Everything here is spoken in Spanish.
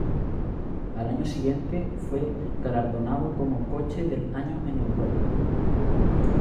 Al año siguiente fue galardonado como Coche del Año en Europa.